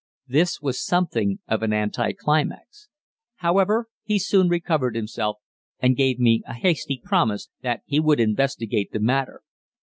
This was something of an anti climax. However, he soon recovered himself, and gave me a hasty promise that he would investigate the matter.